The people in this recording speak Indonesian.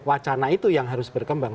wacana itu yang harus berkembang